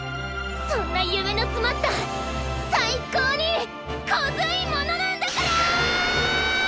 そんなゆめのつまったさいこうにコズいものなんだから！